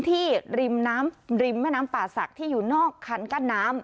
ริมน้ำริมแม่น้ำป่าศักดิ์ที่อยู่นอกคันกั้นน้ำ